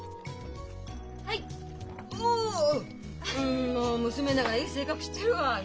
んもう娘ながらいい性格してるわ。